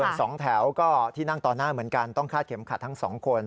ส่วนสองแถวก็ที่นั่งต่อหน้าเหมือนกันต้องคาดเข็มขัดทั้งสองคน